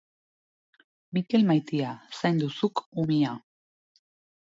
Mikel maitia zaindu zuk umia.